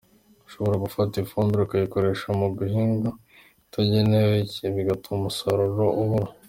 Ushobora gufata ifumbire ukayikoresha ku gihingwa itagenewe bigatuma umusaruro ubura”.